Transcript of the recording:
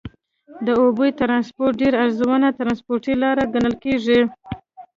د اوبو ترانسپورت ډېر ارزانه ترنسپورټي لاره ګڼل کیږي.